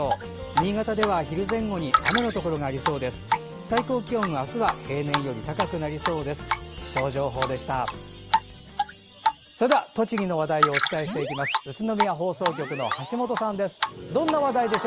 新潟では昼前後に雨のところがありそうです。